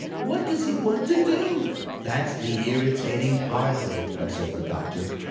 "What does he want to do?" "That's the irritating part of it," observed the Doctor.